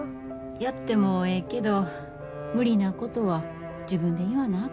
やってもええけど無理なことは自分で言わなあかんよ。